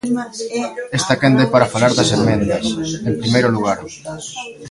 Esta quenda é para falar das emendas, en primeiro lugar.